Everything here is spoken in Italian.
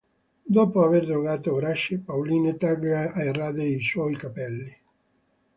Dopo aver drogato Grace, Pauline taglia e rade i suoi capelli.